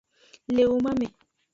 Le woman me.